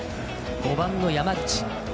５番の山口。